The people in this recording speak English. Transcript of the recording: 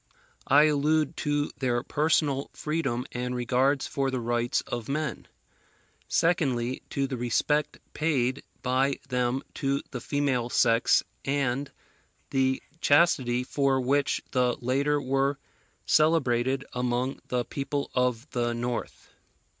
I allude to their personal freedom and regards for the rights of men; secondly, to the respect paid by them to the female sex and the chastity for which the latter were celebrated among the people of the North.